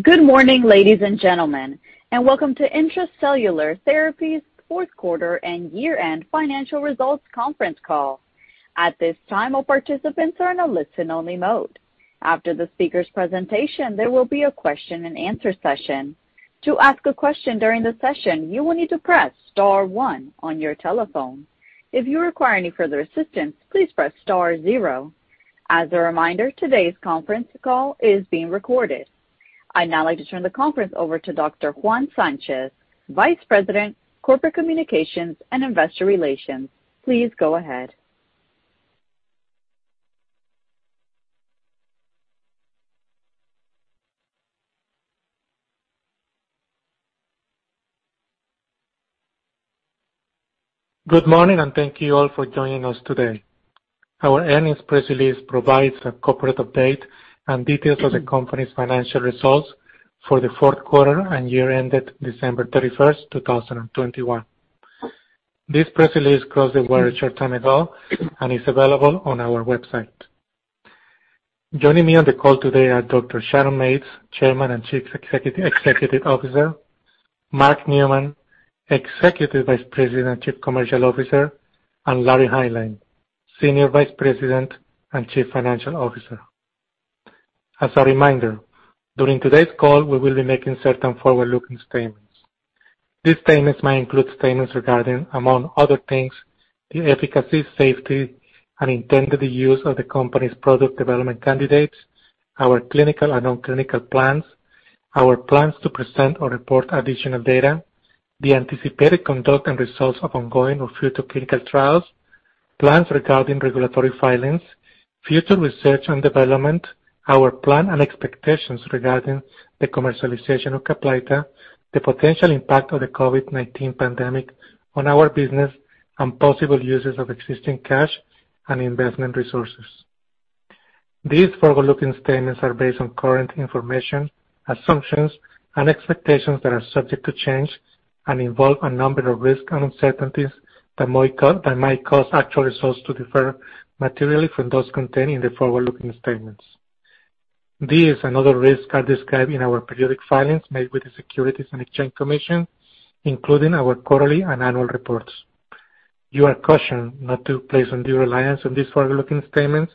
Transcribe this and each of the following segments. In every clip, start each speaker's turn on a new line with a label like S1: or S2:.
S1: Good morning, ladies and gentlemen, and welcome to Intra-Cellular Therapies fourth quarter and year-end financial results conference call. At this time, all participants are in a listen-only mode. After the speakers' presentation, there will be a question-and-answer session. To ask a question during the session, you will need to press star one on your telephone. If you require any further assistance, please press star zero. As a reminder, today's conference call is being recorded. I'd now like to turn the conference over to Dr. Juan Sanchez, Vice President, Corporate Communications and Investor Relations. Please go ahead.
S2: Good morning, and thank you all for joining us today. Our earnings press release provides a corporate update and details of the company's financial results for the fourth quarter and year ended December 31, 2021. This press release crossed the wire a short time ago and is available on our website. Joining me on the call today are Dr. Sharon Mates, Chairman and Chief Executive Officer, Mark Neumann, Executive Vice President and Chief Commercial Officer, and Larry Hineline, Senior Vice President and Chief Financial Officer. As a reminder, during today's call, we will be making certain forward-looking statements. These statements may include statements regarding, among other things, the efficacy, safety, and intended use of the company's product development candidates, our clinical and non-clinical plans, our plans to present or report additional data, the anticipated conduct and results of ongoing or future clinical trials, plans regarding regulatory filings, future research and development, our plan and expectations regarding the commercialization of CAPLYTA, the potential impact of the COVID-19 pandemic on our business, and possible uses of existing cash and investment resources. These forward-looking statements are based on current information, assumptions, and expectations that are subject to change and involve a number of risks and uncertainties that might cause actual results to differ materially from those contained in the forward-looking statements. These and other risks are described in our periodic filings made with the Securities and Exchange Commission, including our quarterly and annual reports. You are cautioned not to place undue reliance on these forward-looking statements,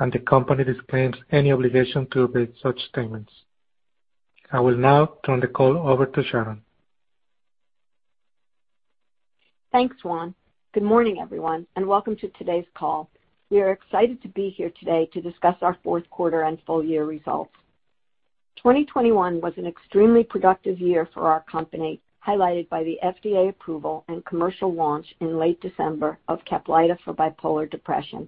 S2: and the company disclaims any obligation to update such statements. I will now turn the call over to Sharon.
S3: Thanks, Juan. Good morning, everyone, and welcome to today's call. We are excited to be here today to discuss our fourth quarter and full year results. 2021 was an extremely productive year for our company, highlighted by the FDA approval and commercial launch in late December of CAPLYTA for bipolar depression.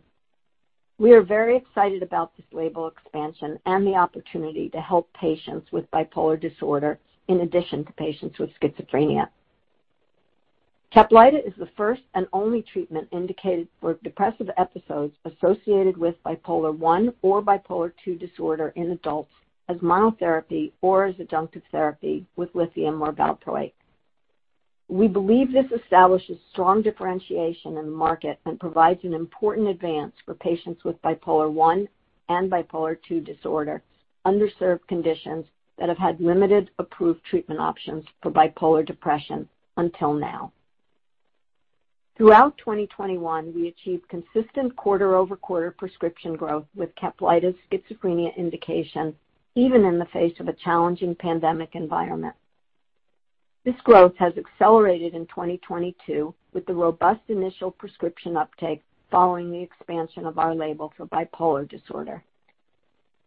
S3: We are very excited about this label expansion and the opportunity to help patients with bipolar disorder in addition to patients with schizophrenia. CAPLYTA is the first and only treatment indicated for depressive episodes associated with Bipolar I or Bipolar II disorder in adults as monotherapy or as adjunctive therapy with lithium or valproate. We believe this establishes strong differentiation in the market and provides an important advance for patients with Bipolar I and Bipolar II disorder, underserved conditions that have had limited approved treatment options for bipolar depression until now. Throughout 2021, we achieved consistent quarter-over-quarter prescription growth with CAPLYTA's schizophrenia indication, even in the face of a challenging pandemic environment. This growth has accelerated in 2022 with the robust initial prescription uptake following the expansion of our label for bipolar disorder.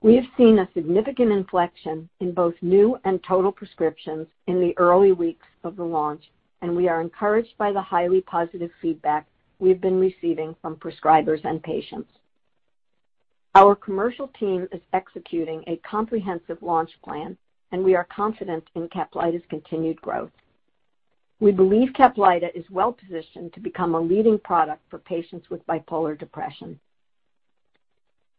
S3: We have seen a significant inflection in both new and total prescriptions in the early weeks of the launch, and we are encouraged by the highly positive feedback we have been receiving from prescribers and patients. Our commercial team is executing a comprehensive launch plan, and we are confident in CAPLYTA's continued growth. We believe CAPLYTA is well-positioned to become a leading product for patients with bipolar depression.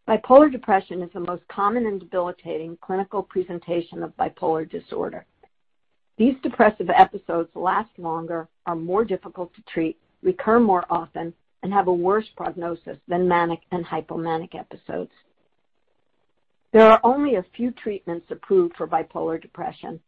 S3: Bipolar depression is the most common and debilitating clinical presentation of bipolar disorder. These depressive episodes last longer, are more difficult to treat, recur more often, and have a worse prognosis than manic and hypomanic episodes. There are only a few treatments approved for Bipolar depression.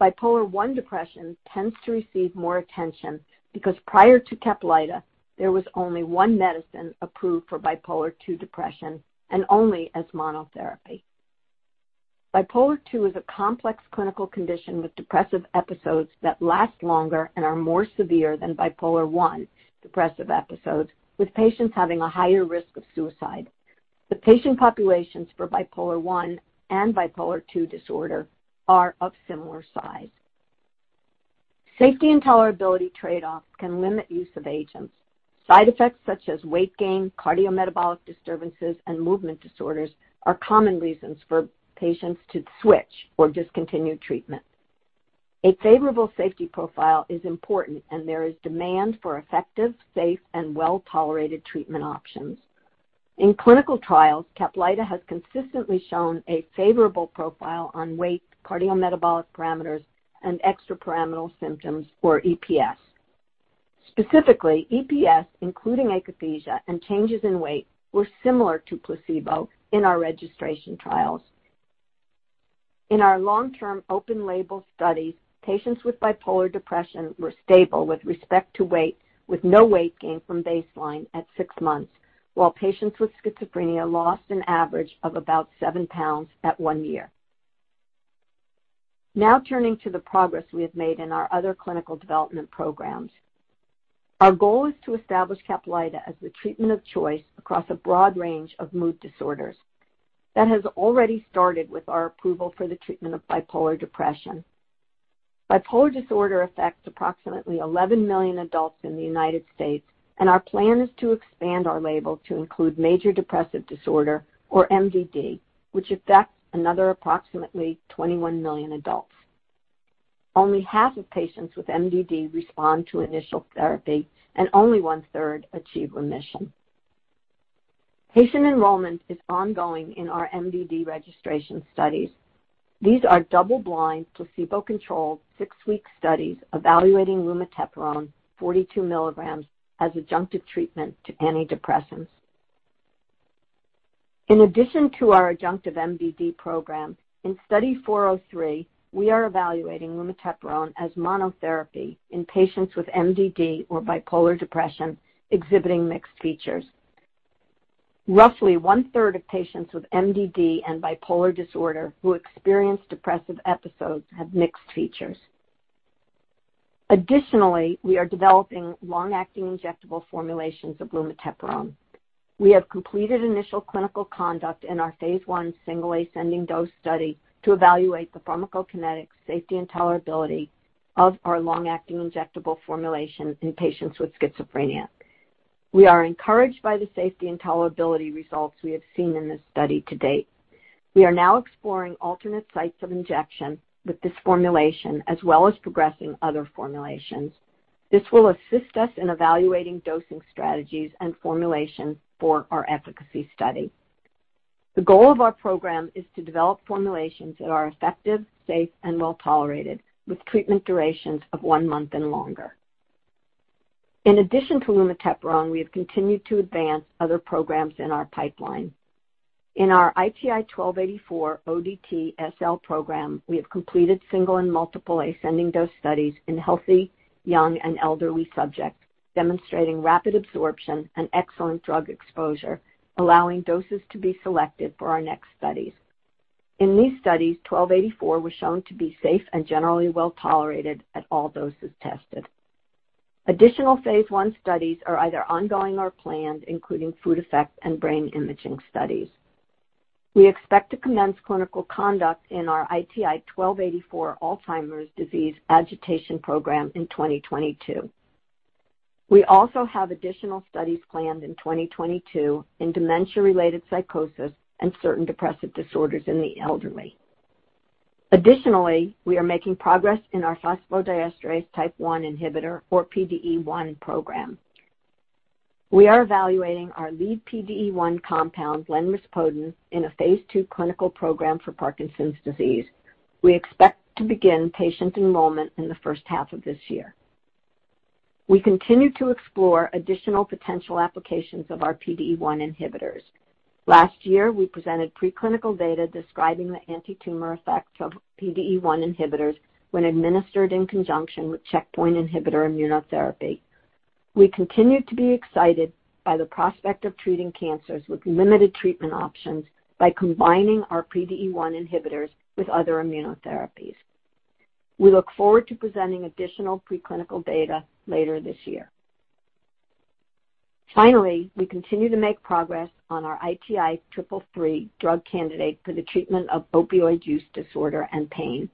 S3: Bipolar I depression tends to receive more attention because prior to CAPLYTA, there was only one medicine approved for Bipolar II depression, and only as monotherapy. Bipolar II is a complex clinical condition with depressive episodes that last longer and are more severe than Bipolar I depressive episodes, with patients having a higher risk of suicide. The patient populations for Bipolar I and Bipolar II disorder are of similar size. Safety and tolerability trade-offs can limit use of agents. Side effects such as weight gain, cardiometabolic disturbances, and movement disorders are common reasons for patients to switch or discontinue treatment. A favorable safety profile is important, and there is demand for effective, safe, and well-tolerated treatment options. In clinical trials, CAPLYTA has consistently shown a favorable profile on weight, cardiometabolic parameters, and extrapyramidal symptoms or EPS. Specifically, EPS, including akathisia and changes in weight, were similar to placebo in our registration trials. In our long-term open label studies, patients with bipolar depression were stable with respect to weight, with no weight gain from baseline at six months, while patients with schizophrenia lost an average of about seven pounds at one year. Now turning to the progress we have made in our other clinical development programs. Our goal is to establish CAPLYTA as the treatment of choice across a broad range of mood disorders. That has already started with our approval for the treatment of bipolar depression. Bipolar disorder affects approximately 11 million adults in the United States, and our plan is to expand our label to include major depressive disorder, or MDD, which affects another approximately 21 million adults. Only half of patients with MDD respond to initial therapy, and only one-third achieve remission. Patient enrollment is ongoing in our MDD registration studies. These are double-blind, placebo-controlled, six-week studies evaluating lumateperone 42 mg as adjunctive treatment to antidepressants. In addition to our adjunctive MDD program, in Study 403 we are evaluating lumateperone as monotherapy in patients with MDD or bipolar depression exhibiting mixed features. Roughly one-third of patients with MDD and bipolar disorder who experience depressive episodes have mixed features. Additionally, we are developing long-acting injectable formulations of lumateperone. We have completed initial clinical conduct in our phase I single ascending dose study to evaluate the pharmacokinetics, safety, and tolerability of our long-acting injectable formulation in patients with schizophrenia. We are encouraged by the safety and tolerability results we have seen in this study to date. We are now exploring alternate sites of injection with this formulation, as well as progressing other formulations. This will assist us in evaluating dosing strategies and formulations for our efficacy study. The goal of our program is to develop formulations that are effective, safe, and well-tolerated, with treatment durations of one month and longer. In addition to lumateperone, we have continued to advance other programs in our pipeline. In our ITI-1284 ODT/SL program, we have completed single and multiple ascending dose studies in healthy young and elderly subjects, demonstrating rapid absorption and excellent drug exposure, allowing doses to be selected for our next studies. In these studies, 1284 was shown to be safe and generally well-tolerated at all doses tested. Additional phase I studies are either ongoing or planned, including food effect and brain imaging studies. We expect to commence clinical conduct in our ITI-1284 Alzheimer's disease agitation program in 2022. We also have additional studies planned in 2022 in dementia-related psychosis and certain depressive disorders in the elderly. Additionally, we are making progress in our phosphodiesterase type 1 inhibitor or PDE1 program. We are evaluating our lead PDE1 compound, lenrispodun, in a phase II clinical program for Parkinson's disease. We expect to begin patient enrollment in the first half of this year. We continue to explore additional potential applications of our PDE1 inhibitors. Last year, we presented preclinical data describing the antitumor effects of PDE1 inhibitors when administered in conjunction with checkpoint inhibitor immunotherapy. We continue to be excited by the prospect of treating cancers with limited treatment options by combining our PDE1 inhibitors with other immunotherapies. We look forward to presenting additional preclinical data later this year. Finally, we continue to make progress on our ITI-333 drug candidate for the treatment of opioid use disorder and pain.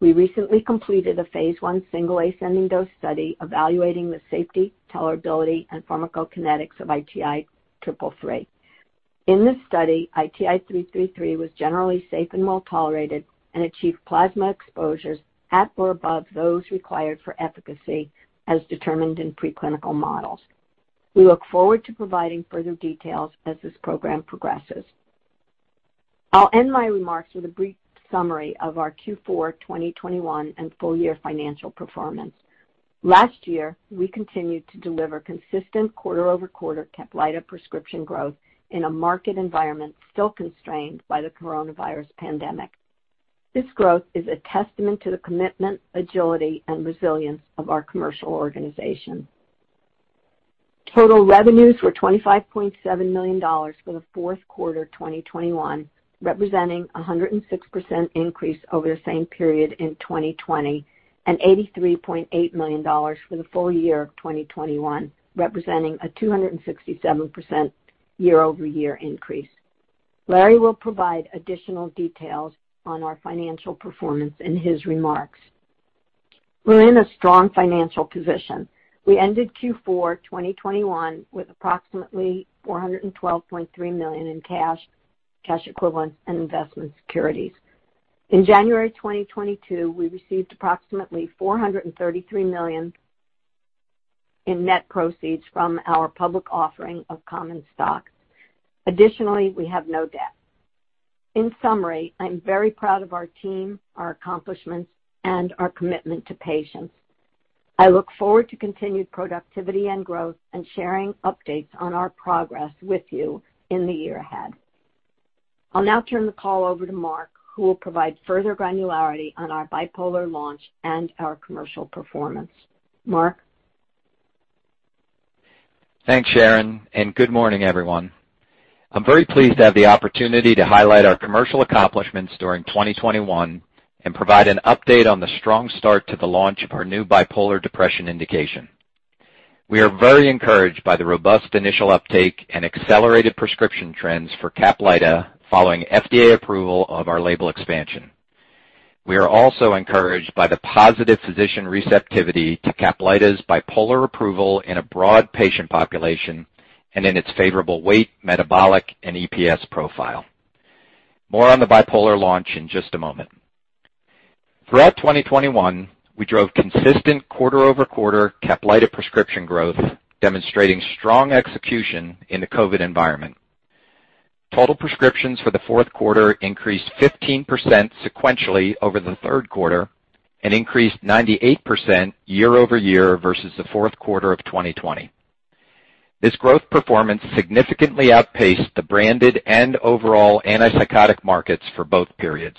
S3: We recently completed a phase I single ascending dose study evaluating the safety, tolerability, and pharmacokinetics of ITI-333. In this study, ITI-333 was generally safe and well-tolerated and achieved plasma exposures at or above those required for efficacy as determined in preclinical models. We look forward to providing further details as this program progresses. I'll end my remarks with a brief summary of our Q4 2021 and full year financial performance. Last year, we continued to deliver consistent quarter-over-quarter CAPLYTA prescription growth in a market environment still constrained by the coronavirus pandemic. This growth is a testament to the commitment, agility, and resilience of our commercial organization. Total revenues were $25.7 million for the fourth quarter 2021, representing 106% increase over the same period in 2020, and $83.8 million for the full year of 2021, representing a 267% year-over-year increase. Larry will provide additional details on our financial performance in his remarks. We're in a strong financial position. We ended Q4 2021 with approximately $412.3 million in cash equivalents and investment securities. In January 2022, we received approximately $433 million in net proceeds from our public offering of common stock. Additionally, we have no debt. In summary, I'm very proud of our team, our accomplishments, and our commitment to patients. I look forward to continued productivity and growth and sharing updates on our progress with you in the year ahead. I'll now turn the call over to Mark Neumann, who will provide further granularity on our bipolar launch and our commercial performance. Mark?
S4: Thanks, Sharon, and good morning, everyone. I'm very pleased to have the opportunity to highlight our commercial accomplishments during 2021 and provide an update on the strong start to the launch of our new bipolar depression indication. We are very encouraged by the robust initial uptake and accelerated prescription trends for CAPLYTA following FDA approval of our label expansion. We are also encouraged by the positive physician receptivity to CAPLYTA's bipolar approval in a broad patient population and in its favorable weight, metabolic, and EPS profile. More on the bipolar launch in just a moment. Throughout 2021, we drove consistent quarter-over-quarter CAPLYTA prescription growth, demonstrating strong execution in the COVID environment. Total prescriptions for the fourth quarter increased 15% sequentially over the third quarter and increased 98% year-over-year versus the fourth quarter of 2020. This growth performance significantly outpaced the branded and overall antipsychotic markets for both periods.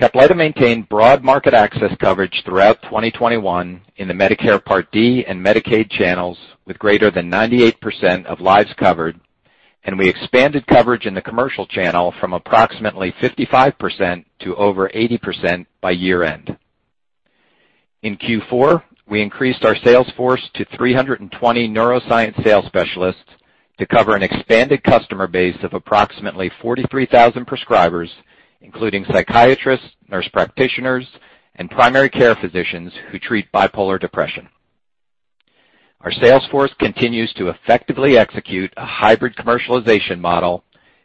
S4: CAPLYTA maintained broad market access coverage throughout 2021 in the Medicare Part D and Medicaid channels with greater than 98% of lives covered, and we expanded coverage in the commercial channel from approximately 55% to over 80% by year-end. In Q4, we increased our sales force to 320 neuroscience sales specialists to cover an expanded customer base of approximately 43,000 prescribers, including psychiatrists, nurse practitioners, and primary care physicians who treat bipolar depression. Our sales force continues to effectively execute a hybrid commercialization model,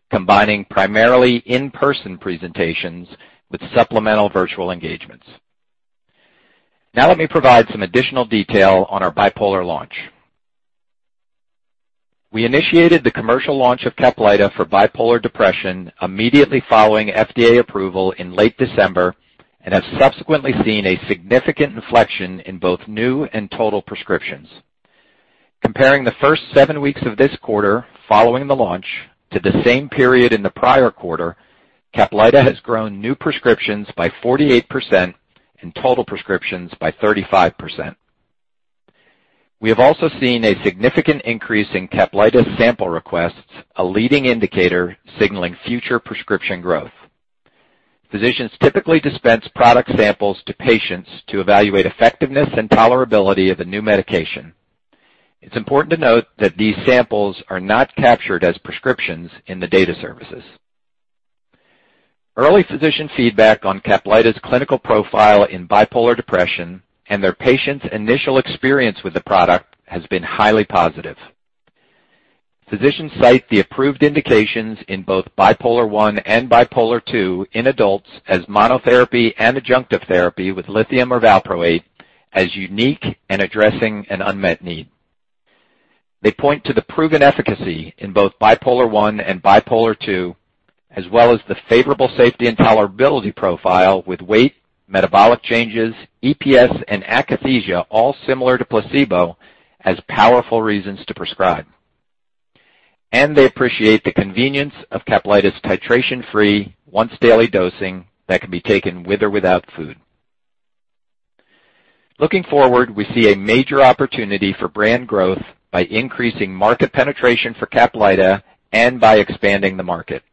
S4: combining primarily in-person presentations with supplemental virtual engagements. Now let me provide some additional detail on our bipolar launch. We initiated the commercial launch of CAPLYTA for bipolar depression immediately following FDA approval in late December and have subsequently seen a significant inflection in both new and total prescriptions. Comparing the first seven weeks of this quarter following the launch to the same period in the prior quarter, CAPLYTA has grown new prescriptions by 48% and total prescriptions by 35%. We have also seen a significant increase in CAPLYTA sample requests, a leading indicator signaling future prescription growth. Physicians typically dispense product samples to patients to evaluate effectiveness and tolerability of a new medication. It's important to note that these samples are not captured as prescriptions in the data services. Early physician feedback on CAPLYTA's clinical profile in bipolar depression and their patients' initial experience with the product has been highly positive. Physicians cite the approved indications in both Bipolar I and Bipolar II in adults as monotherapy and adjunctive therapy with lithium or valproate as unique and addressing an unmet need. They point to the proven efficacy in both Bipolar I and Bipolar II, as well as the favorable safety and tolerability profile with weight, metabolic changes, EPS, and akathisia, all similar to placebo, as powerful reasons to prescribe. They appreciate the convenience of CAPLYTA's titration-free once-daily dosing that can be taken with or without food. Looking forward, we see a major opportunity for brand growth by increasing market penetration for CAPLYTA and by expanding the market.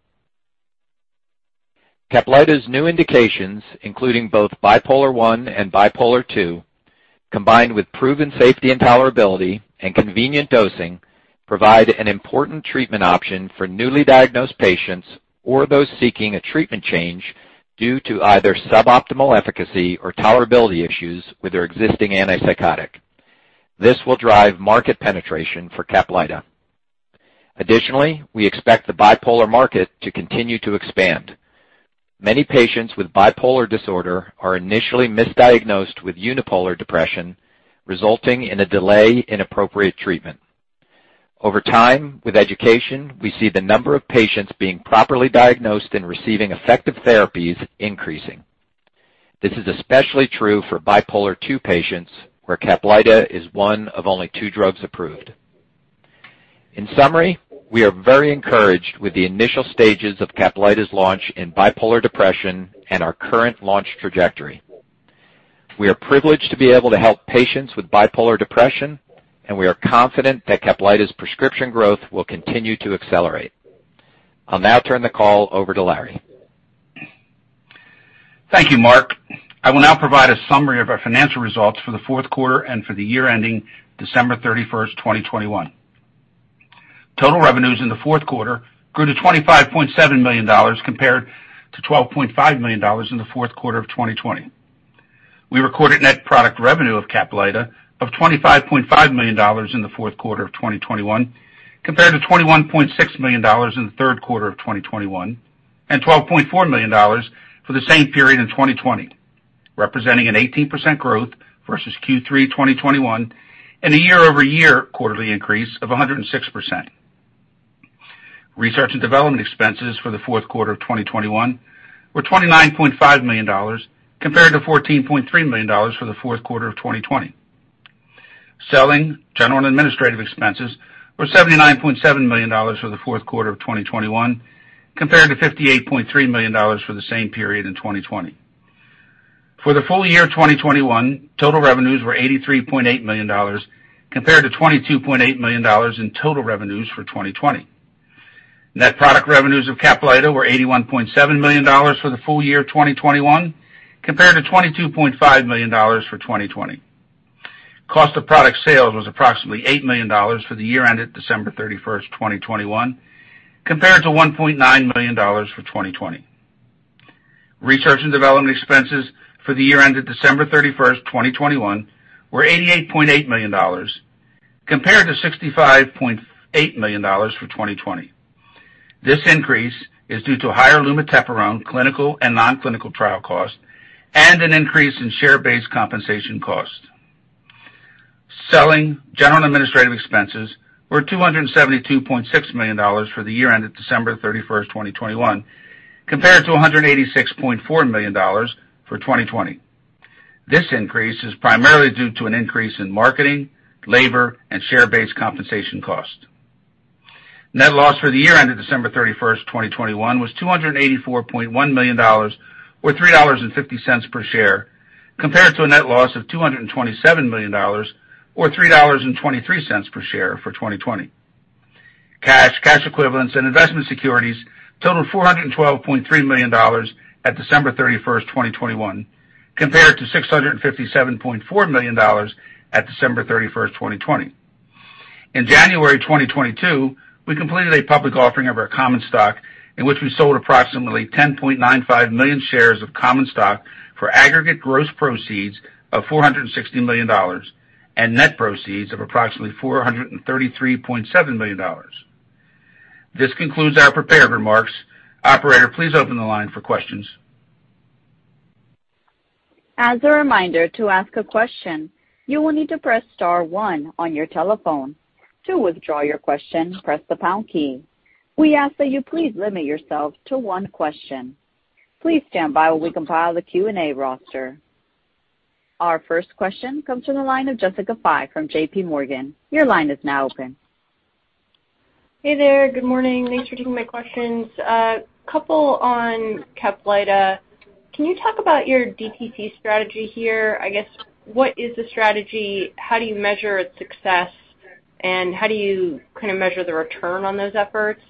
S4: CAPLYTA's new indications, including both Bipolar I and Bipolar II, combined with proven safety and tolerability and convenient dosing, provide an important treatment option for newly diagnosed patients or those seeking a treatment change due to either suboptimal efficacy or tolerability issues with their existing antipsychotic. This will drive market penetration for CAPLYTA. Additionally, we expect the bipolar market to continue to expand. Many patients with bipolar disorder are initially misdiagnosed with unipolar depression, resulting in a delay in appropriate treatment. Over time, with education, we see the number of patients being properly diagnosed and receiving effective therapies increasing. This is especially true for bipolar II patients, where CAPLYTA is one of only two drugs approved. In summary, we are very encouraged with the initial stages of CAPLYTA's launch in bipolar depression and our current launch trajectory. We are privileged to be able to help patients with bipolar depression, and we are confident that CAPLYTA's prescription growth will continue to accelerate. I'll now turn the call over to Larry.
S5: Thank you, Mark. I will now provide a summary of our financial results for the fourth quarter and for the year ending December 31, 2021. Total revenues in the fourth quarter grew to $25.7 million compared to $12.5 million in the fourth quarter of 2020. We recorded net product revenue of CAPLYTA of $25.5 million in the fourth quarter of 2021 compared to $21.6 million in the third quarter of 2021 and $12.4 million for the same period in 2020, representing an 18% growth versus Q3 2021 and a year-over-year quarterly increase of 106%. Research and development expenses for the fourth quarter of 2021 were $29.5 million compared to $14.3 million for the fourth quarter of 2020. Selling, general and administrative expenses were $79.7 million for the fourth quarter of 2021 compared to $58.3 million for the same period in 2020. For the full year 2021, total revenues were $83.8 million compared to $22.8 million in total revenues for 2020. Net product revenues of CAPLYTA were $81.7 million for the full year 2021 compared to $22.5 million for 2020. Cost of product sales was approximately $8 million for the year ended December 31, 2021 compared to $1.9 million for 2020. Research and development expenses for the year ended December 31, 2021 were $88.8 million compared to $65.8 million for 2020. This increase is due to higher lumateperone clinical and non-clinical trial costs and an increase in share-based compensation costs. Selling, general and administrative expenses were $272.6 million for the year ended December 31, 2021 compared to $186.4 million for 2020. This increase is primarily due to an increase in marketing, labor, and share-based compensation costs. Net loss for the year ended December 31, 2021 was $284.1 million or $3.50 per share compared to a net loss of $227 million or $3.23 per share for 2020. Cash, cash equivalents and investment securities totaled $412.3 million at December 31, 2021 compared to $657.4 million at December 31, 2020. In January 2022, we completed a public offering of our common stock in which we sold approximately 10.95 million shares of common stock for aggregate gross proceeds of $460 million and net proceeds of approximately $433.7 million. This concludes our prepared remarks. Operator, please open the line for questions.
S1: As a reminder, to ask a question, you will need to press star one on your telephone. To withdraw your question, press the pound key. We ask that you please limit yourself to one question. Please stand by while we compile the Q&A roster. Our first question comes from the line of Jessica Fye from JPMorgan. Your line is now open.
S6: Hey there. Good morning. Thanks for taking my questions. Couple on CAPLYTA. Can you talk about your DTC strategy here? I guess, what is the strategy? How do you measure its success, and how do you kinda measure the return on those efforts?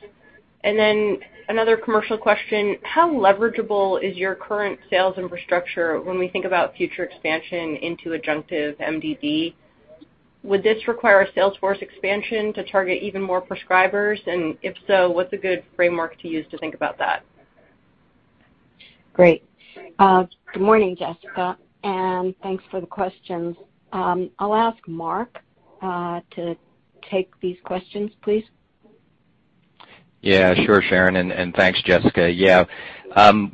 S6: Then another commercial question. How leverageable is your current sales infrastructure when we think about future expansion into adjunctive MDD? Would this require a sales force expansion to target even more prescribers? If so, what's a good framework to use to think about that?
S3: Great. Good morning, Jessica, and thanks for the questions. I'll ask Mark to take these questions, please.
S4: Yeah, sure, Sharon, and thanks, Jessica. Yeah.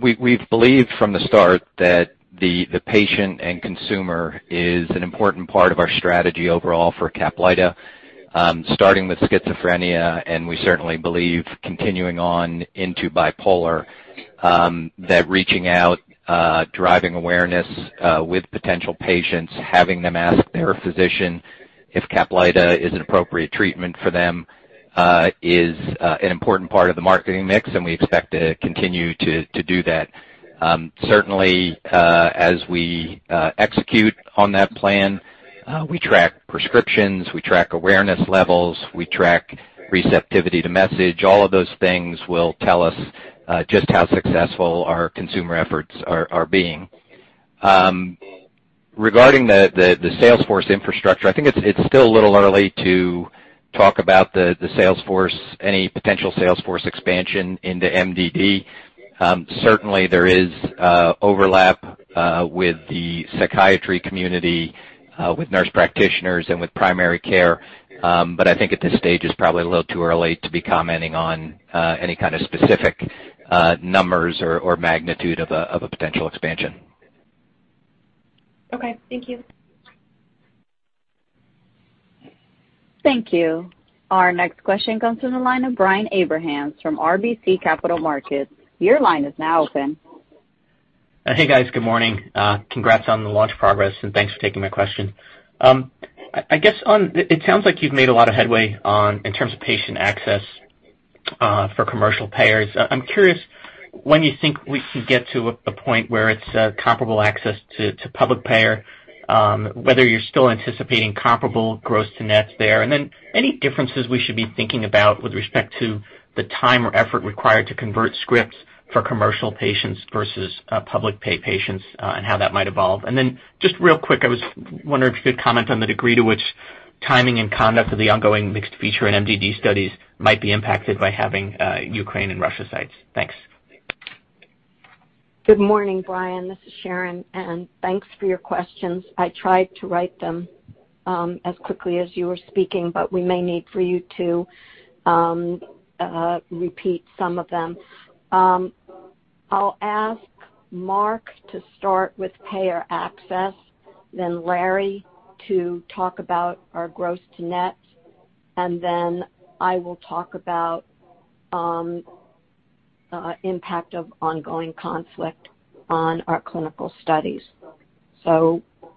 S4: We've believed from the start that the patient and consumer is an important part of our strategy overall for CAPLYTA, starting with schizophrenia, and we certainly believe continuing on into bipolar that reaching out, driving awareness with potential patients, having them ask their physician if CAPLYTA is an appropriate treatment for them is an important part of the marketing mix, and we expect to continue to do that. Certainly, as we execute on that plan, we track prescriptions, we track awareness levels, we track receptivity to message. All of those things will tell us just how successful our consumer efforts are being. Regarding the sales force infrastructure, I think it's still a little early to talk about the sales force, any potential sales force expansion into MDD. Certainly, there is overlap with the psychiatry community, with nurse practitioners and with primary care. I think at this stage, it's probably a little too early to be commenting on any kind of specific numbers or magnitude of a potential expansion.
S6: Okay. Thank you.
S1: Thank you. Our next question comes from the line of Brian Abrahams from RBC Capital Markets. Your line is now open.
S7: Hey, guys. Good morning. Congrats on the launch progress, and thanks for taking my question. I guess it sounds like you've made a lot of headway in terms of patient access for commercial payers. I'm curious when you think we could get to a point where it's comparable access to public payer, whether you're still anticipating comparable gross to nets there. Any differences we should be thinking about with respect to the time or effort required to convert scripts for commercial patients versus public payer patients, and how that might evolve. Just real quick, I was wondering if you could comment on the degree to which timing and conduct of the ongoing mixed features in MDD studies might be impacted by having Ukraine and Russia sites. Thanks.
S3: Good morning, Brian. This is Sharon, and thanks for your questions. I tried to write them as quickly as you were speaking, but we may need for you to repeat some of them. I'll ask Mark to start with payer access, then Larry to talk about our gross to net, and then I will talk about impact of ongoing conflict on our clinical studies.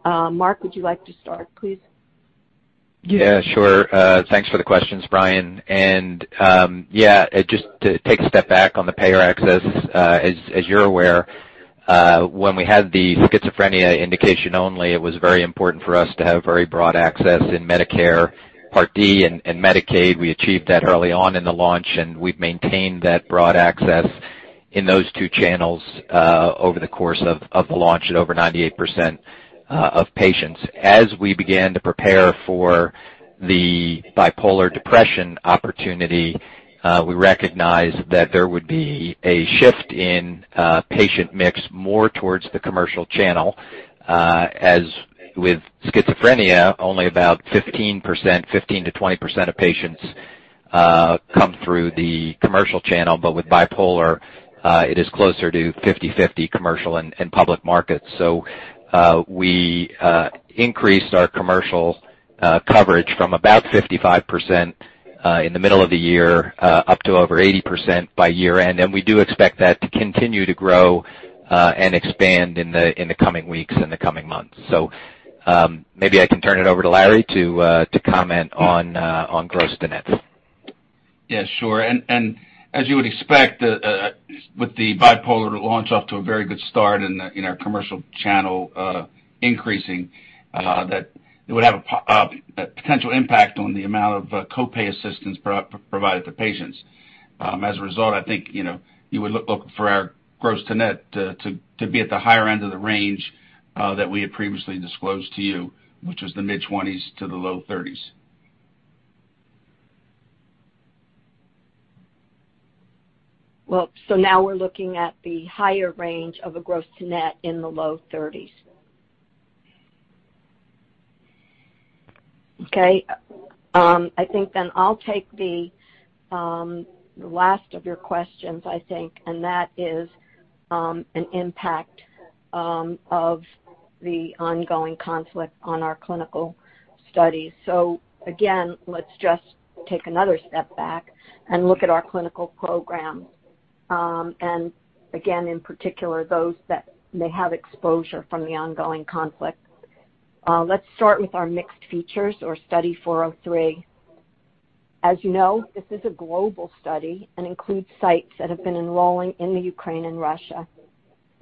S3: Mark, would you like to start, please?
S4: Yeah, sure. Thanks for the questions, Brian. Just to take a step back on the payer access. As you're aware, when we had the schizophrenia indication only, it was very important for us to have very broad access in Medicare Part D and Medicaid. We achieved that early on in the launch, and we've maintained that broad access in those two channels over the course of the launch at over 98% of patients. As we began to prepare for the bipolar depression opportunity, we recognized that there would be a shift in patient mix more towards the commercial channel, as with schizophrenia, only about 15%, 15%-20% of patients come through the commercial channel. With bipolar, it is closer to 50/50 commercial and public markets. We increased our commercial coverage from about 55% in the middle of the year up to over 80% by year-end. We do expect that to continue to grow and expand in the coming weeks and the coming months. Maybe I can turn it over to Larry to comment on gross to net.
S5: Yeah, sure. As you would expect with the bipolar launch off to a very good start in our commercial channel, increasing that it would have a potential impact on the amount of co-pay assistance provided to patients. As a result, I think, you know, you would look for our gross to net to be at the higher end of the range that we had previously disclosed to you, which was the mid-20s% to the low 30s%.
S3: Well, now we're looking at the higher range of a gross to net in the low thirties. Okay. I think then I'll take the last of your questions, I think, and that is an impact of the ongoing conflict on our clinical studies. Again, let's just take another step back and look at our clinical programs. Again, in particular, those that may have exposure from the ongoing conflict. Let's start with our mixed features or Study 403. As you know, this is a global study and includes sites that have been enrolling in the Ukraine and Russia.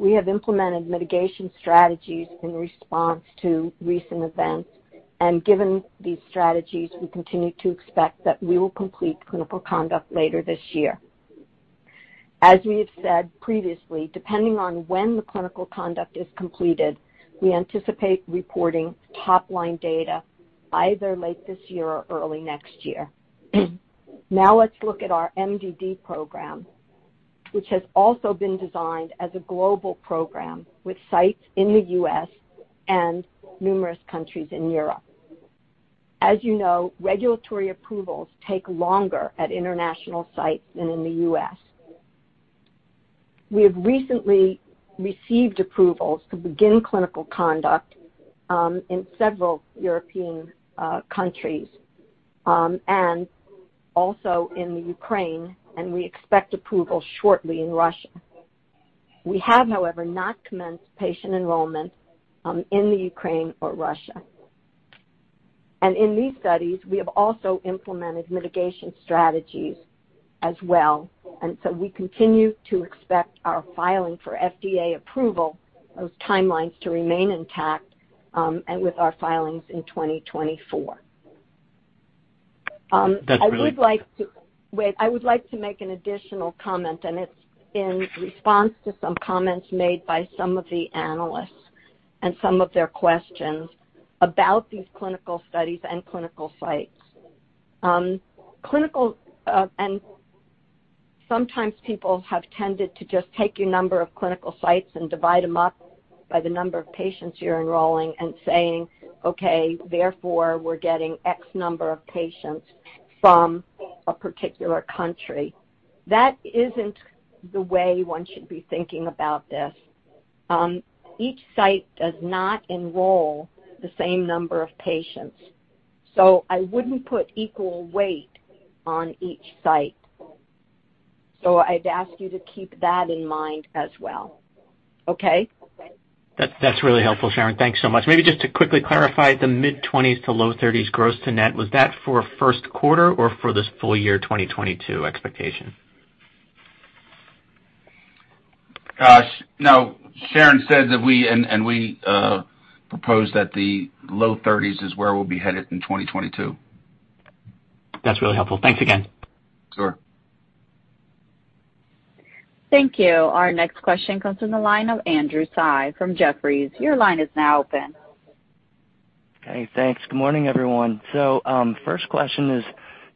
S3: We have implemented mitigation strategies in response to recent events, and given these strategies, we continue to expect that we will complete clinical conduct later this year. As we have said previously, depending on when the clinical conduct is completed, we anticipate reporting top-line data either late this year or early next year. Now let's look at our MDD program, which has also been designed as a global program with sites in the U.S. and numerous countries in Europe. As you know, regulatory approvals take longer at international sites than in the U.S. We have recently received approvals to begin clinical conduct in several European countries and also in Ukraine, and we expect approval shortly in Russia. We have, however, not commenced patient enrollment in Ukraine or Russia. In these studies, we have also implemented mitigation strategies as well. We continue to expect our filing for FDA approval, those timelines to remain intact, and with our filings in 2024.
S4: That's really-
S3: I would like to make an additional comment, and it's in response to some comments made by some of the analysts and some of their questions about these clinical studies and clinical sites. Sometimes people have tended to just take your number of clinical sites and divide them up by the number of patients you're enrolling and saying, okay, therefore, we're getting X number of patients from a particular country. That isn't the way one should be thinking about this. Each site does not enroll the same number of patients, so I wouldn't put equal weight on each site. I'd ask you to keep that in mind as well. Okay?
S7: That's really helpful, Sharon. Thanks so much. Maybe just to quickly clarify the mid-20s to low 30s gross to net. Was that for first quarter or for this full year 2022 expectation?
S5: Gosh. No. Sharon said that we proposed that the low thirties is where we'll be headed in 2022.
S7: That's really helpful. Thanks again.
S5: Sure.
S1: Thank you. Our next question comes from the line of Andrew Tsai from Jefferies. Your line is now open.
S8: Okay, thanks. Good morning, everyone. First question is.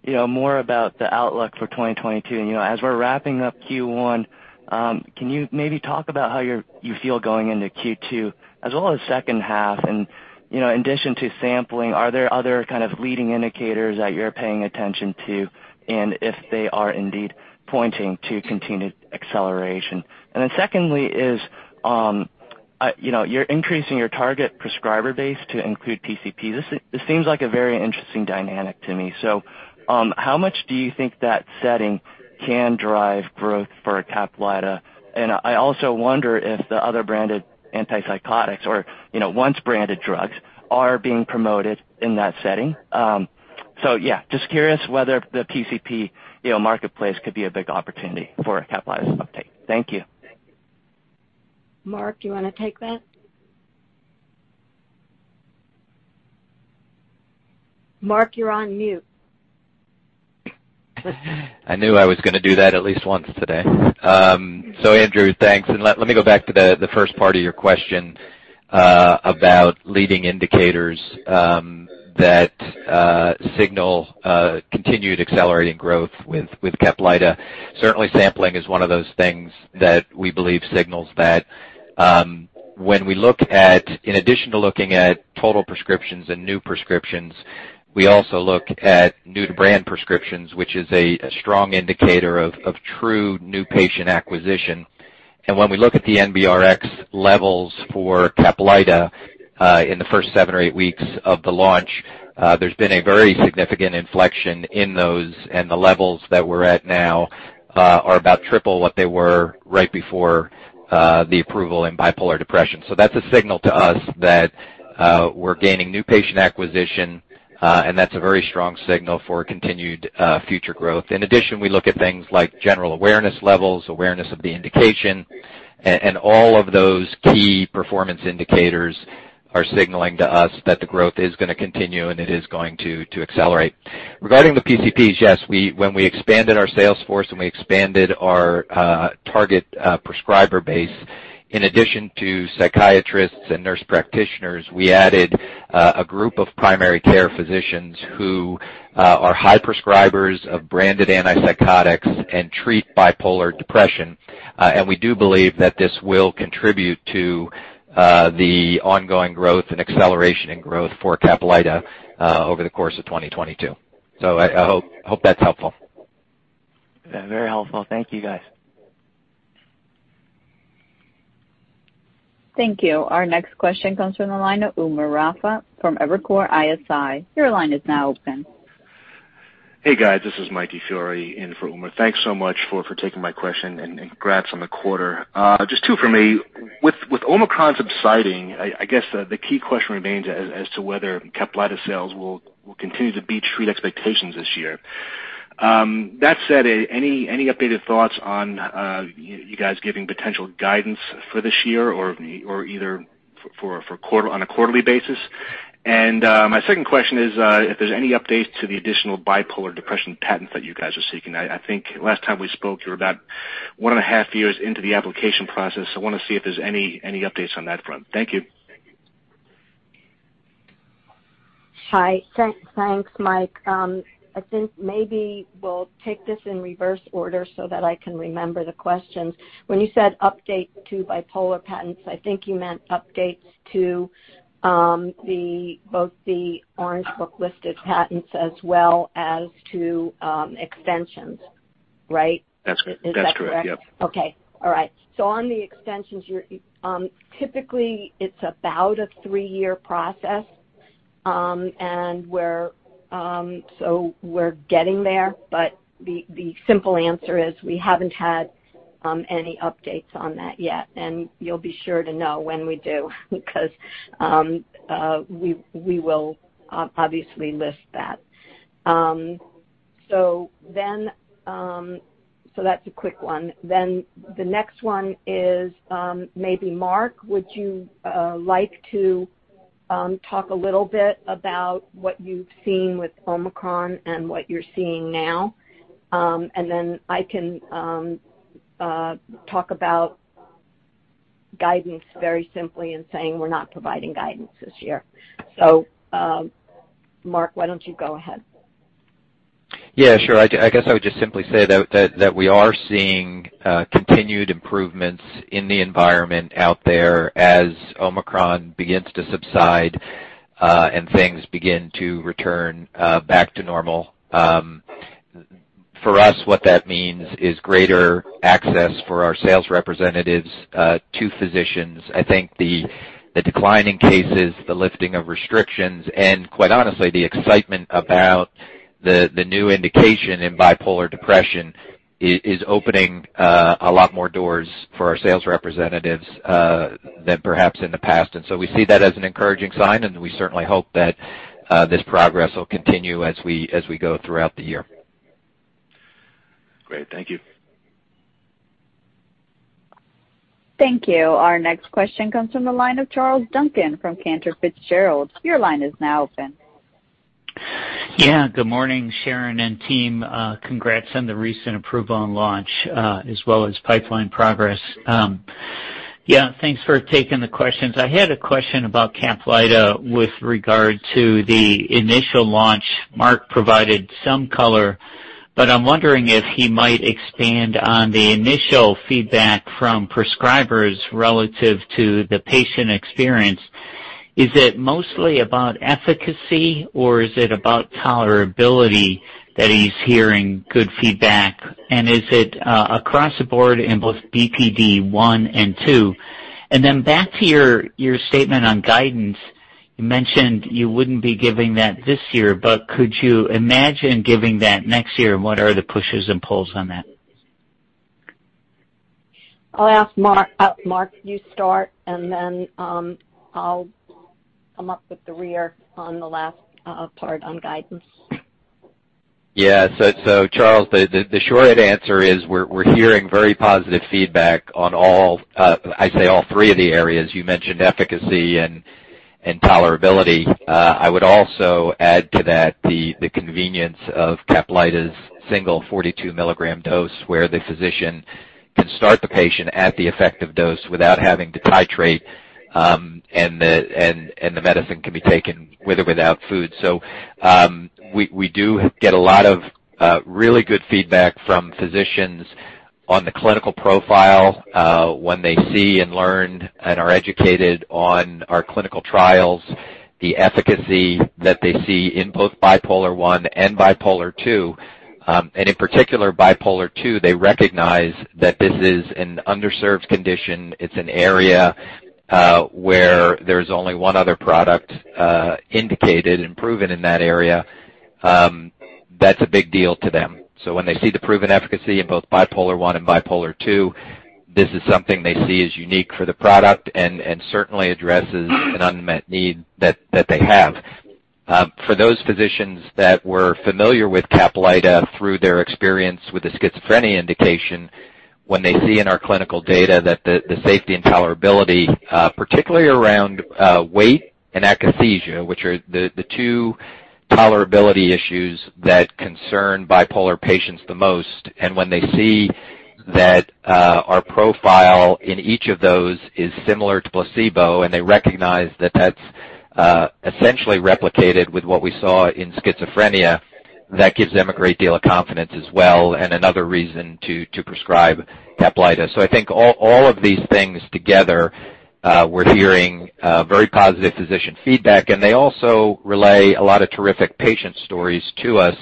S8: You know, more about the outlook for 2022. You know, as we're wrapping up Q1, can you maybe talk about how you feel going into Q2 as well as second half? You know, in addition to sampling, are there other kind of leading indicators that you're paying attention to, and if they are indeed pointing to continued acceleration? Secondly is, you know, you're increasing your target prescriber base to include PCPs. This seems like a very interesting dynamic to me. How much do you think that setting can drive growth for CAPLYTA? I also wonder if the other branded antipsychotics or, you know, once branded drugs are being promoted in that setting. Yeah, just curious whether the PCP, you know, marketplace could be a big opportunity for CAPLYTA's uptake. Thank you.
S3: Mark, do you wanna take that? Mark, you're on mute.
S4: I knew I was gonna do that at least once today. Andrew, thanks. Let me go back to the first part of your question about leading indicators that signal continued accelerating growth with CAPLYTA. Certainly, sampling is one of those things that we believe signals that. When we look at in addition to looking at total prescriptions and new prescriptions, we also look at new-to-brand prescriptions, which is a strong indicator of true new patient acquisition. When we look at the NBRx levels for CAPLYTA in the first seven or eight weeks of the launch, there's been a very significant inflection in those, and the levels that we're at now are about triple what they were right before the approval in bipolar depression. That's a signal to us that we're gaining new patient acquisition, and that's a very strong signal for continued future growth. In addition, we look at things like general awareness levels, awareness of the indication, and all of those key performance indicators are signaling to us that the growth is gonna continue, and it is going to accelerate. Regarding the PCPs, yes, when we expanded our sales force and we expanded our target prescriber base, in addition to psychiatrists and nurse practitioners, we added a group of primary care physicians who are high prescribers of branded antipsychotics and treat bipolar depression. And we do believe that this will contribute to the ongoing growth and acceleration in growth for CAPLYTA over the course of 2022. I hope that's helpful.
S8: Yeah, very helpful. Thank you, guys.
S1: Thank you. Our next question comes from the line of Umer Raffat from Evercore ISI. Your line is now open.
S9: Hey, guys. This is Mike DiFiore in for Umer. Thanks so much for taking my question, and congrats on the quarter. Just two for me. With Omicron subsiding, I guess the key question remains as to whether CAPLYTA sales will continue to beat Street expectations this year. That said, any updated thoughts on you guys giving potential guidance for this year or on a quarterly basis? My second question is if there's any updates to the additional bipolar depression patent that you guys are seeking. I think last time we spoke you were about 1.5 years into the application process. I wanna see if there's any updates on that front. Thank you.
S3: Hi. Thanks, Mike. I think maybe we'll take this in reverse order so that I can remember the questions. When you said update to bipolar patents, I think you meant updates to both the Orange Book listed patents as well as to extensions, right?
S9: That's correct.
S3: Is that correct?
S9: That's correct, yep.
S3: Okay. All right. On the extensions, you're typically it's about a three-year process, and we're getting there, but the simple answer is we haven't had any updates on that yet, and you'll be sure to know when we do because we will obviously list that. That's a quick one. The next one is, maybe Mark, would you like to talk a little bit about what you've seen with Omicron and what you're seeing now? I can talk about guidance very simply and saying we're not providing guidance this year. Mark, why don't you go ahead.
S4: Yeah, sure. I guess I would just simply say that we are seeing continued improvements in the environment out there as Omicron begins to subside, and things begin to return back to normal. For us, what that means is greater access for our sales representatives to physicians. I think the decline in cases, the lifting of restrictions, and quite honestly, the excitement about the new indication in bipolar depression is opening a lot more doors for our sales representatives than perhaps in the past. We see that as an encouraging sign, and we certainly hope that this progress will continue as we go throughout the year.
S9: Great. Thank you.
S1: Thank you. Our next question comes from the line of Charles Duncan from Cantor Fitzgerald. Your line is now open.
S10: Yeah. Good morning, Sharon and team. Congrats on the recent approval and launch, as well as pipeline progress. Yeah, thanks for taking the questions. I had a question about CAPLYTA with regard to the initial launch. Mark provided some color, but I'm wondering if he might expand on the initial feedback from prescribers relative to the patient experience. Is it mostly about efficacy or is it about tolerability that he's hearing good feedback? And is it across the board in both BPD one and two? And then back to your statement on guidance. You mentioned you wouldn't be giving that this year, but could you imagine giving that next year? And what are the pushes and pulls on that?
S3: I'll ask Mark. Mark, you start, and then I'll bring up the rear on the last part on guidance.
S4: Yeah. Charles, the short answer is we're hearing very positive feedback on all I'd say all three of the areas you mentioned efficacy and tolerability. I would also add to that the convenience of CAPLYTA's single 42 mg dose where the physician can start the patient at the effective dose without having to titrate, and the medicine can be taken with or without food. We do get a lot of really good feedback from physicians on the clinical profile when they see and learn and are educated on our clinical trials, the efficacy that they see in both Bipolar I and Bipolar II. And in particular, Bipolar II, they recognize that this is an underserved condition. It's an area where there's only one other product indicated and proven in that area. That's a big deal to them. When they see the proven efficacy in both Bipolar I and Bipolar II, this is something they see as unique for the product and certainly addresses an unmet need that they have. For those physicians that were familiar with CAPLYTA through their experience with the schizophrenia indication, when they see in our clinical data that the safety and tolerability, particularly around weight and akathisia, which are the two tolerability issues that concern bipolar patients the most. When they see that, our profile in each of those is similar to placebo, and they recognize that that's essentially replicated with what we saw in schizophrenia, that gives them a great deal of confidence as well and another reason to prescribe CAPLYTA. I think all of these things together, we're hearing very positive physician feedback, and they also relay a lot of terrific patient stories to us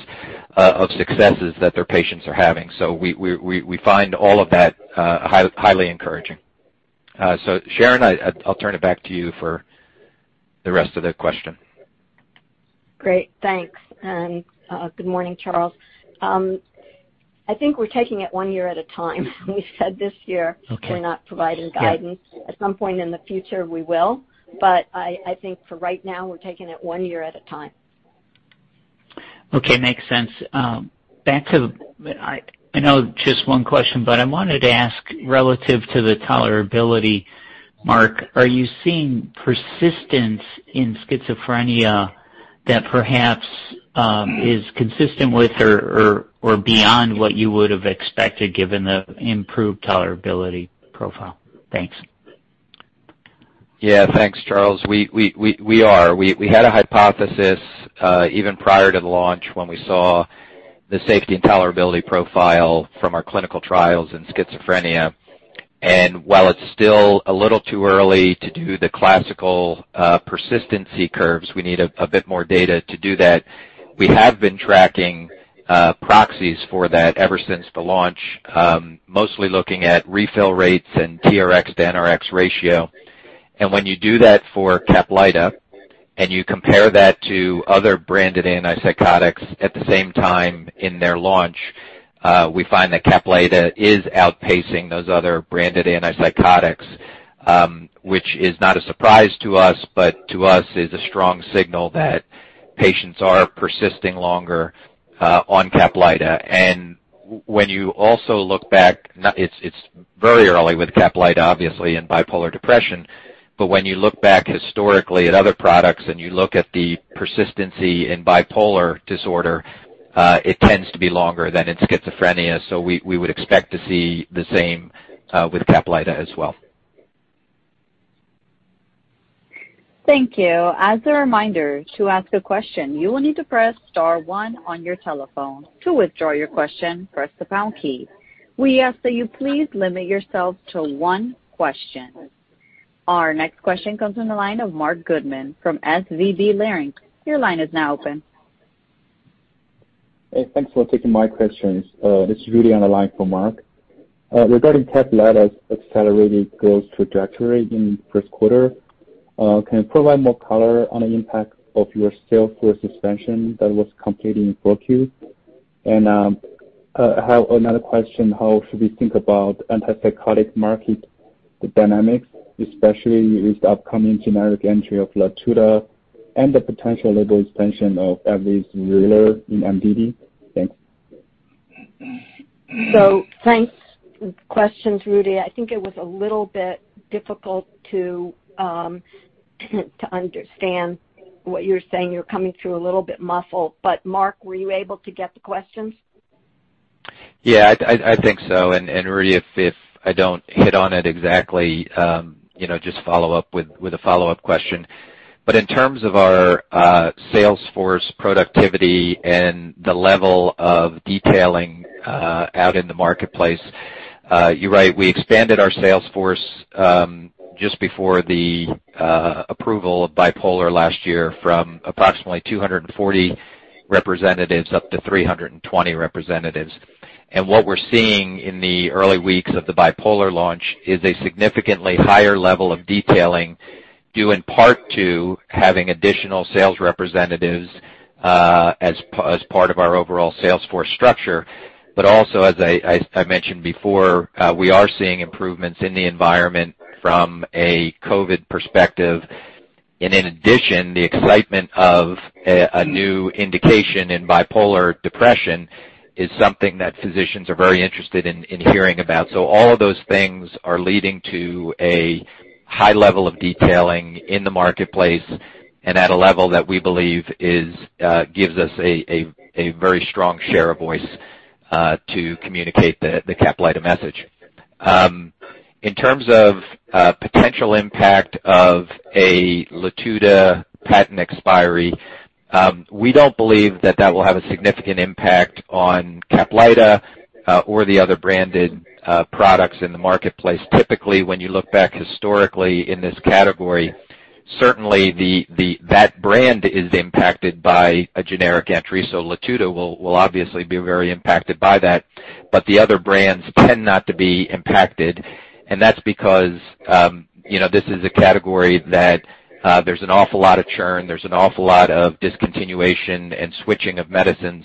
S4: of successes that their patients are having. We find all of that highly encouraging. Sharon, I'll turn it back to you for the rest of the question.
S3: Great. Thanks. Good morning, Charles. I think we're taking it one year at a time. We said this year-
S10: Okay.
S3: We're not providing guidance. At some point in the future, we will. I think for right now, we're taking it one year at a time.
S10: Okay, makes sense. Back to, I know just one question, but I wanted to ask relative to the tolerability, Mark, are you seeing persistence in schizophrenia that perhaps is consistent with or beyond what you would have expected given the improved tolerability profile? Thanks.
S4: Yeah. Thanks, Charles. We are. We had a hypothesis even prior to the launch when we saw the safety and tolerability profile from our clinical trials in schizophrenia. While it's still a little too early to do the classical persistency curves, we need a bit more data to do that. We have been tracking proxies for that ever since the launch, mostly looking at refill rates and TRX to NRX ratio. When you do that for CAPLYTA and you compare that to other branded antipsychotics at the same time in their launch, we find that CAPLYTA is outpacing those other branded antipsychotics, which is not a surprise to us, but to us is a strong signal that patients are persisting longer on CAPLYTA. When you also look back, it's very early with CAPLYTA, obviously, in bipolar depression. When you look back historically at other products and you look at the persistency in bipolar disorder, it tends to be longer than in schizophrenia. We would expect to see the same with CAPLYTA as well.
S1: Thank you. As a reminder, to ask a question, you will need to press star one on your telephone. To withdraw your question, press the pound key. We ask that you please limit yourself to one question. Our next question comes from the line of Marc Goodman from SVB Leerink. Your line is now open.
S11: Hey, thanks for taking my questions. This is Rudy on the line for Mark. Regarding CAPLYTA's accelerated growth trajectory in first quarter, can you provide more color on the impact of your sales force expansion that was completed in 4Q? I have another question. How should we think about antipsychotic market dynamics, especially with the upcoming generic entry of Latuda and the potential label expansion of AbbVie's Vraylar in MDD? Thanks.
S3: Thanks for the questions, Rudy. I think it was a little bit difficult to understand what you're saying. You're coming through a little bit muffled. Mark, were you able to get the questions?
S4: Yeah, I think so. Rudy, if I don't hit on it exactly, you know, just follow up with a follow-up question. In terms of our sales force productivity and the level of detailing out in the marketplace, you're right. We expanded our sales force just before the approval of bipolar last year from approximately 240 representatives up to 320 representatives. What we're seeing in the early weeks of the bipolar launch is a significantly higher level of detailing due in part to having additional sales representatives as part of our overall sales force structure. Also, as I mentioned before, we are seeing improvements in the environment from a COVID perspective. In addition, the excitement of a new indication in bipolar depression is something that physicians are very interested in hearing about. All of those things are leading to a high level of detailing in the marketplace and at a level that we believe gives us a very strong share of voice to communicate the CAPLYTA message. In terms of potential impact of a Latuda patent expiry, we don't believe that will have a significant impact on CAPLYTA or the other branded products in the marketplace. Typically, when you look back historically in this category, certainly that brand is impacted by a generic entry, Latuda will obviously be very impacted by that. The other brands tend not to be impacted. That's because, you know, this is a category that, there's an awful lot of churn, there's an awful lot of discontinuation and switching of medicines.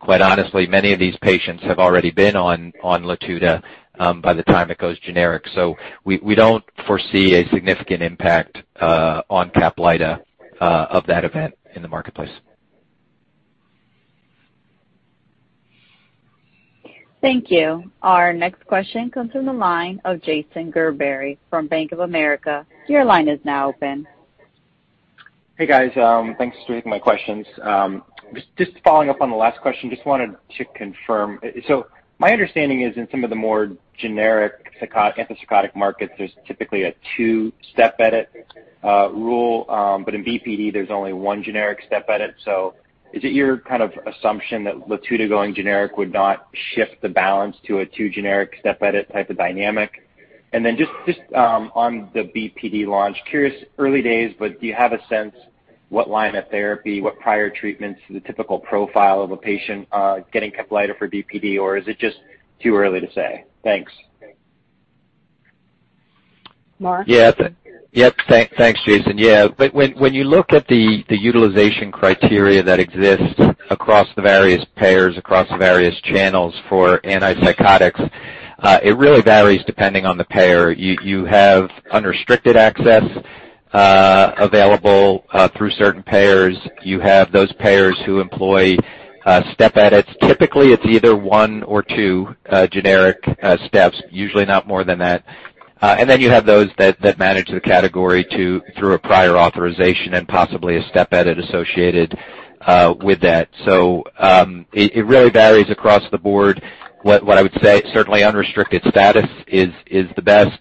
S4: Quite honestly, many of these patients have already been on Latuda by the time it goes generic. We don't foresee a significant impact on CAPLYTA of that event in the marketplace.
S1: Thank you. Our next question comes from the line of Jason Gerberry from Bank of America. Your line is now open.
S12: Hey, guys. Thanks for taking my questions. Just following up on the last question, just wanted to confirm. My understanding is in some of the more generic antipsychotic markets, there's typically a two-step edit rule, but in BPD, there's only one generic step edit. Is it your kind of assumption that Latuda going generic would not shift the balance to a two generic step edit type of dynamic? Just on the BPD launch, curious, early days, but do you have a sense what line of therapy, what prior treatments, the typical profile of a patient getting CAPLYTA for BPD, or is it just too early to say? Thanks.
S3: Mark?
S4: Yeah. Yep. Thanks, Jason. Yeah. When you look at the utilization criteria that exists across the various payers, across various channels for antipsychotics, it really varies depending on the payer. You have unrestricted access available through certain payers. You have those payers who employ step edits. Typically, it's either one or two generic steps, usually not more than that. Then you have those that manage the category through a prior authorization and possibly a step edit associated with that. It really varies across the board. What I would say, certainly unrestricted status is the best.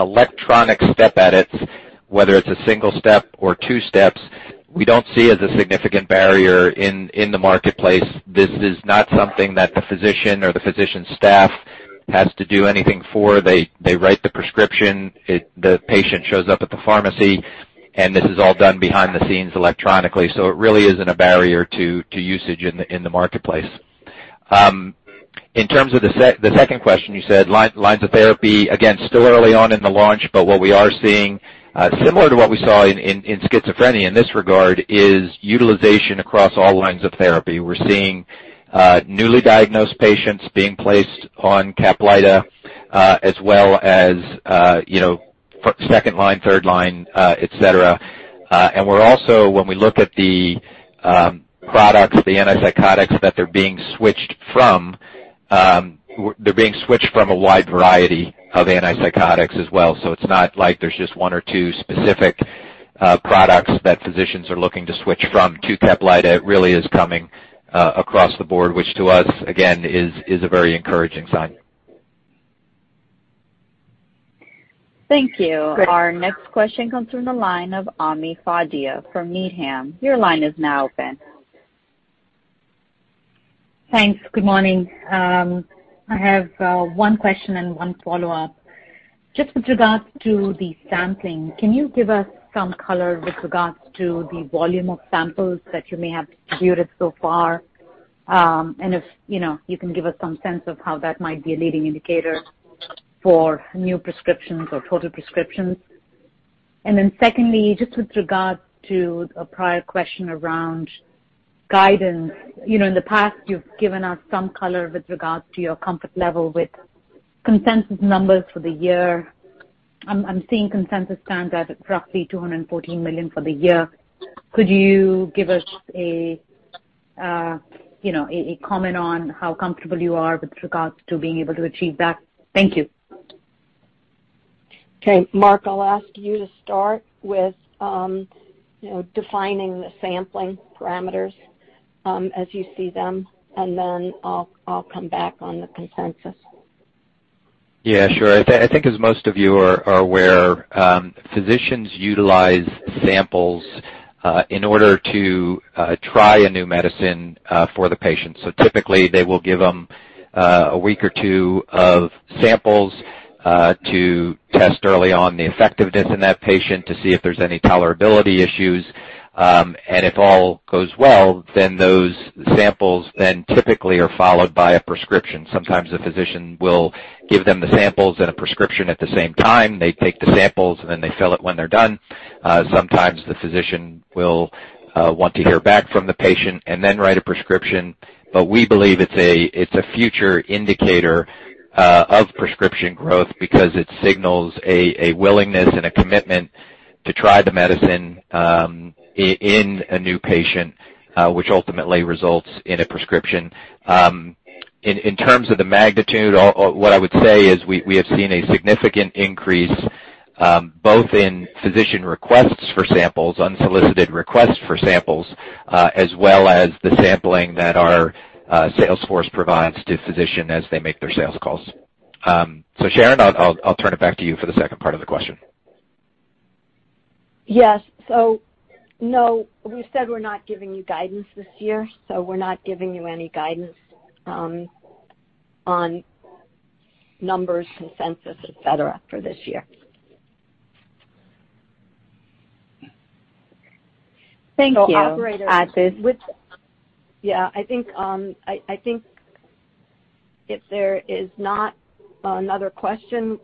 S4: Electronic step edits, whether it's a single step or two steps, we don't see as a significant barrier in the marketplace. This is not something that the physician or the physician staff has to do anything for. They write the prescription, the patient shows up at the pharmacy, and this is all done behind the scenes electronically. It really isn't a barrier to usage in the marketplace. In terms of the second question you said, lines of therapy, again, still early on in the launch, but what we are seeing, similar to what we saw in schizophrenia in this regard, is utilization across all lines of therapy. We're seeing newly diagnosed patients being placed on CAPLYTA, as well as, you know, for second line, third line, et cetera. We're also, when we look at the products, the antipsychotics that they're being switched from. They're being switched from a wide variety of antipsychotics as well. It's not like there's just one or two specific products that physicians are looking to switch from to CAPLYTA. It really is coming across the board, which to us again is a very encouraging sign.
S1: Thank you. Our next question comes from the line of Ami Fadia from Needham. Your line is now open.
S13: Thanks. Good morning. I have one question and one follow-up. Just with regards to the sampling, can you give us some color with regards to the volume of samples that you may have distributed so far? If you know you can give us some sense of how that might be a leading indicator for new prescriptions or total prescriptions. Secondly, just with regard to a prior question around guidance. You know, in the past, you've given us some color with regards to your comfort level with consensus numbers for the year. I'm seeing consensus stand at roughly $214 million for the year. Could you give us a you know a comment on how comfortable you are with regards to being able to achieve that? Thank you.
S3: Okay, Mark, I'll ask you to start with, you know, defining the sampling parameters, as you see them, and then I'll come back on the consensus.
S4: Yeah, sure. I think as most of you are aware, physicians utilize samples in order to try a new medicine for the patient. Typically, they will give them a week or two of samples to test early on the effectiveness in that patient to see if there's any tolerability issues. If all goes well, those samples typically are followed by a prescription. Sometimes the physician will give them the samples and a prescription at the same time. They take the samples, and then they fill it when they're done. Sometimes the physician will want to hear back from the patient and then write a prescription. We believe it's a future indicator of prescription growth because it signals a willingness and a commitment to try the medicine in a new patient, which ultimately results in a prescription. In terms of the magnitude, what I would say is we have seen a significant increase both in physician requests for samples, unsolicited requests for samples, as well as the sampling that our sales force provides to physicians as they make their sales calls. Sharon, I'll turn it back to you for the second part of the question.
S3: Yes. No, we said we're not giving you guidance this year, so we're not giving you any guidance on numbers, consensus, et cetera, for this year.
S13: Thank you.
S3: Operator.
S1: At this-
S3: Yeah, I think if there is not another question,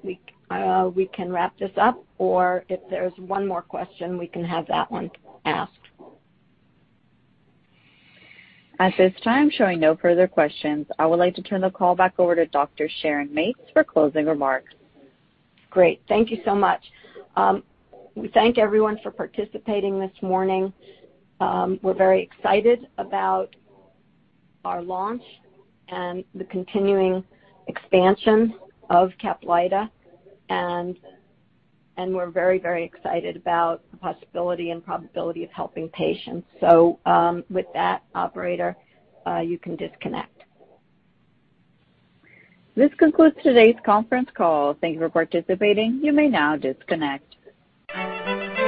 S3: we can wrap this up, or if there's one more question, we can have that one asked.
S1: At this time, seeing no further questions. I would like to turn the call back over to Dr. Sharon Mates for closing remarks.
S3: Great. Thank you so much. We thank everyone for participating this morning. We're very excited about our launch and the continuing expansion of CAPLYTA. We're very, very excited about the possibility and probability of helping patients. With that operator, you can disconnect.
S1: This concludes today's conference call. Thank you for participating. You may now disconnect.